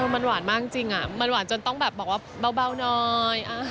มันหวานมากจริงมันหวานจนต้องแบบบอกว่าเบาหน่อย